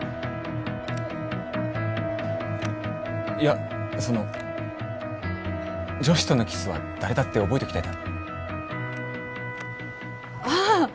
いやその女子とのキスは誰だって覚えておきたいだろああ